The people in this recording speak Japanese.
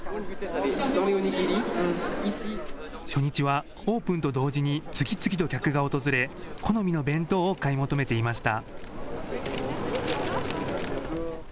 初日はオープンと同時に次々と客が訪れ、好みの弁当を買い求めていました。